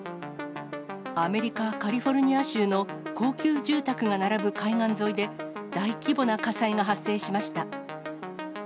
アメリカ・カリフォルニア州の高級住宅が並ぶ海岸沿いで、大規模な火災が発生しました。